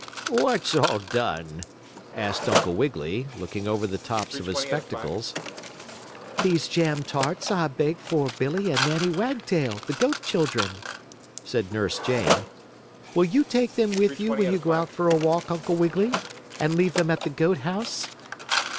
"What's all done?" asked Uncle Wiggily, looking over the tops of his spectacles. "These jam tarts I baked for Billie and Nannie Wagtail, the goat children," said Nurse Jane. "Will you take them with you when you go out for a walk, Uncle Wiggily, and leave them at the goat house?"